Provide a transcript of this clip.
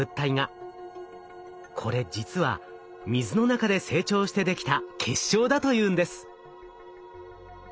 これ実は水の中で成長して出来た結晶だというんです。